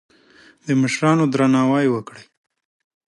د مشرانو درناوی وکړئ.